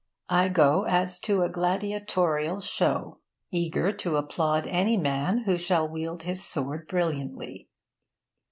I go as to a gladiatorial show, eager to applaud any man who shall wield his sword brilliantly.